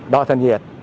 đo thân nhiệt